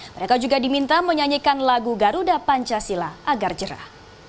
mereka juga diminta menyanyikan lagu garuda pancasila agar jerah